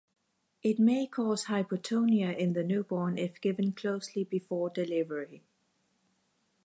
It may cause hypotonia in the newborn if given closely before delivery.